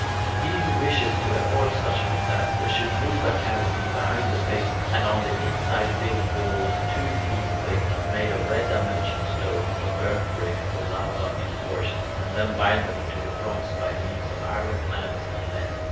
He who wishes to avoid such a disaster should leave a cavity behind the facings, and on the inside build walls two feet thick, made of red dimension stone or burnt brick or lava in courses, and then bind them to the fronts by means of iron clamps and lead.